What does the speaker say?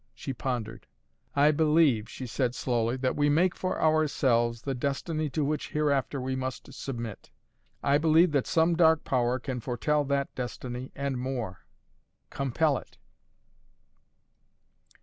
She pondered. "I believe," she said slowly, "that we make for ourselves the destiny to which hereafter we must submit. I believe that some dark power can foretell that destiny, and more compel it!"